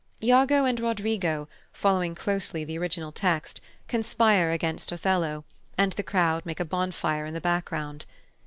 Iago and Roderigo, following closely the original text, conspire against Othello, and the crowd make a bonfire in the background.